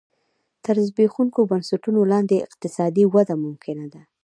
تر زبېښونکو بنسټونو لاندې اقتصادي وده ممکنه ده